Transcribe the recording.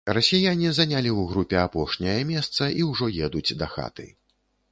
Расіяне занялі ў групе апошняе месца і ўжо едуць дахаты.